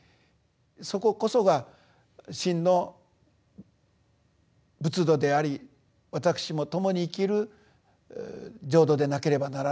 そここそが真の仏土であり私も共に生きる浄土でなければならない。